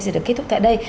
sẽ được kết thúc tại đây